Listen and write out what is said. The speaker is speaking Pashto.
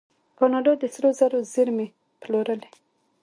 کاناډا د سرو زرو زیرمې پلورلي.